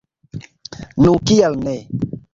Nu, kial ne?